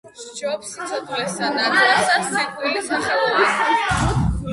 სჯობს სიცოცხლესა ნაძრახსა სიკვდილი სახელოვანი